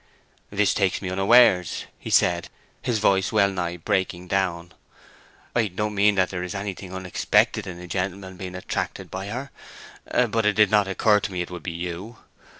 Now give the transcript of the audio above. "This takes me unawares," said he, his voice wellnigh breaking down. "I don't mean that there is anything unexpected in a gentleman being attracted by her; but it did not occur to me that it would be you.